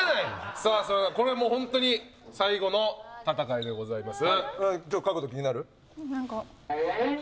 さあそれではこれがもう本当に最後の戦いでございます。